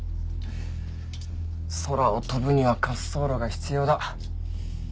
「空を飛ぶには滑走路が必要だ」。